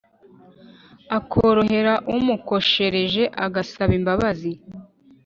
akorohera umukoshereje agasaba imbabazi